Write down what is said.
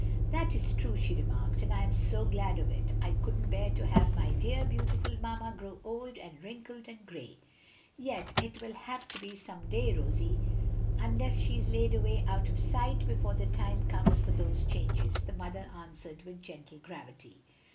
"That is true," she remarked, and I am so glad of it! I couldn't bear to have my dear, beautiful mamma grow old, and wrinkled, and gray." "Yet it will have to be some day, Rosie, unless she is laid away out of sight before the time comes for those changes," the mother answered with gentle gravity.